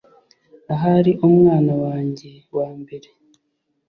ahari umwana wanjye wambere